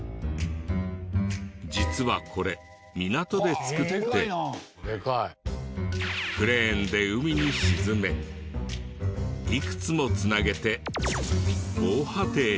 実はこれ港で造ってクレーンで海に沈めいくつも繋げて防波堤に。